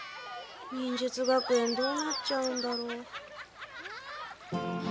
忍術学園どうなっちゃうんだろう。